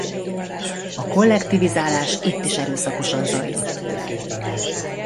A kollektivizálás itt is erőszakosan zajlott.